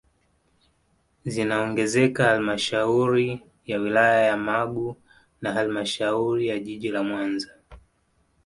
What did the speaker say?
Zinaongezeka halmashauri ya wilaya ya Magu na halmashauri ya jiji la Mwanza